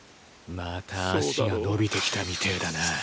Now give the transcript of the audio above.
また足が伸びてきたみてぇだな。